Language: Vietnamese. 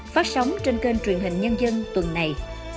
phát sóng trên kênh truyền hình nhân dân tuần này